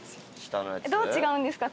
どう違うんですか？